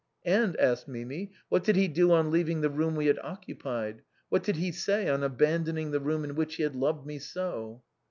" And," asked Mimi, " what did he do on leaving the room we had occupied, what did he say on abandoning the room in which he had loved me so